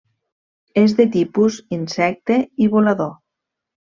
És de tipus insecte i volador.